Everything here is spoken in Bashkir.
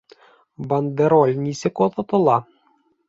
Бандероль нисек оҙатыла?